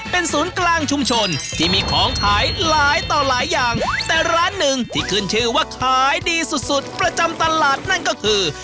เป็นศูนย์กลางชุมชนที่มีของขายหลายต่อหลายอย่างแต่ร้านหนึ่งที่ขึ้นชื่อว่าขายดีสุดสุดประจำตลาดนั่นก็คือ